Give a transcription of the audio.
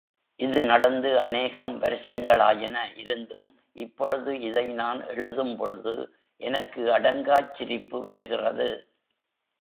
இது நடந்து அனேகம் வருஷங்களாயின இருந்தும் இப்பொழுது இதை நான் எழுதும்பொழுது, எனக்கு அடங்காச் சிரிப்பு வருகிறது!